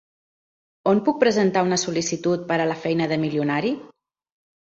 On puc presentar una sol·licitud per a la feina de milionari?